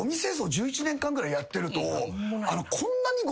１１年間ぐらいやってると。